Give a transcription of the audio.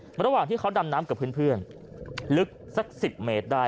ระหว่างที่เขาดำน้ำกับเพื่อนลึกสัก๑๐เมตรได้